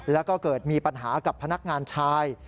แล้วก็เกิดมีปัญหากับพนักงานชาย